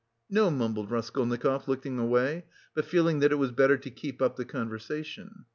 "No," mumbled Raskolnikov, looking away, but feeling that it was better to keep up the conversation.